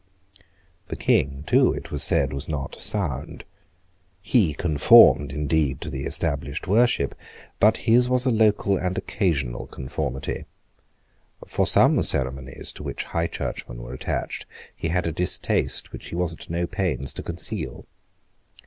The King too, it was said, was not sound. He conformed indeed to the established worship; but his was a local and occasional conformity. For some ceremonies to which High Churchmen were attached he had a distaste which he was at no pains to conceal.